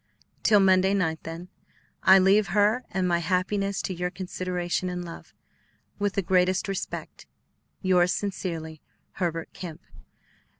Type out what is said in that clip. Till Monday night, then, I leave her and my happiness to your consideration and love. With the greatest respect, Yours Sincerely, HERBERT KEMP.